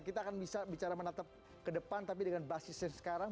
kita akan bicara menatap ke depan tapi dengan basisnya sekarang